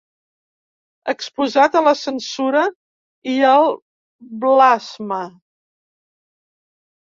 Exposat a la censura i al blasme.